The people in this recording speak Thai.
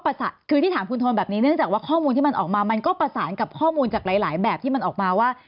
คือที่ถามคุณโทนแบบนี้เนื่องจากว่าข้อมูลที่มันออกมามันก็ประสานกับข้อมูลจากหลายแบบที่มันออกมาว่า